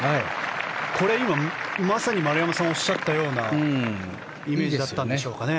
今のはまさに丸山さんがおっしゃったようなイメージだったんでしょうかね。